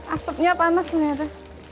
asepnya panas ternyata